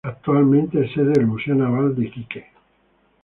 Actualmente es sede del Museo Naval de Iquique.